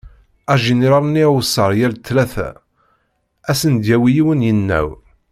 Ajiniral-nni awessar yal ttlata ad sen-d-yawi yiwen yinaw.